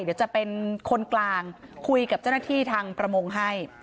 เดี๋ยวจะเป็นคนกลางคุยกับเจ้าหน้าที่ทางประมงให้